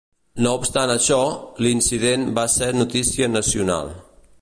No obstant això, l'incident va ser notícia nacional.